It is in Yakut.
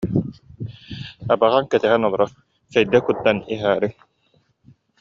Абаҕаҥ кэтэһэн олорор, чэйдэ куттан иһээриҥ